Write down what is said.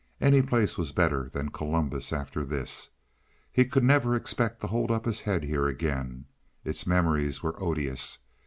Any place was better than Columbus after this; he could never expect to hold up his head here again. Its memories were odious.